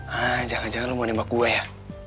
hah jangan jangan lo mau nembak kue ya